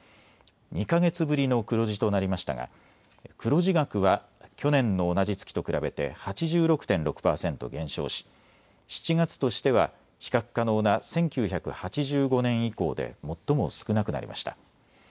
２か月ぶりの黒字となりましたが黒字額は去年の同じ月と比べて８６．６％減少し、７月としては比較可能な１９８５年以降で最も少なくなりました。